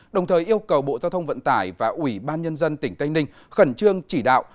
đồng thời yêu cầu bộ giao thông vận tải và ubnd tỉnh tây ninh khẩn trương chỉ đạo